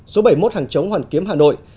số bảy mươi một hàng chống hoàn kiếm hà nội